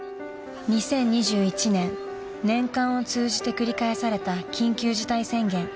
［２０２１年年間を通じて繰り返された緊急事態宣言］